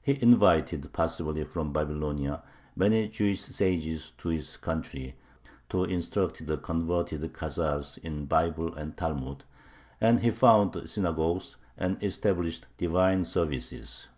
He invited possibly from Babylonia many Jewish sages to his country, to instruct the converted Khazars in Bible and Talmud, and he founded synagogues, and established Divine services.